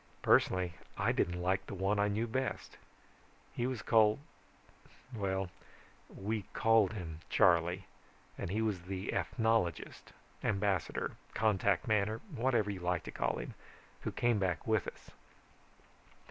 Personally I didn't like the one I knew best. He was called well, we called him Charley, and he was the ethnologist, ambassador, contact man, or whatever you like to call him, who came back with us.